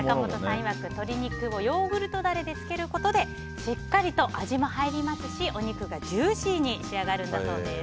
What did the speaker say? いわく鶏肉をヨーグルトダレで漬けることでしっかりと味も入りますしお肉がジューシーに仕上がるんだそうです。